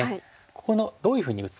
ここのどういうふうに打つか。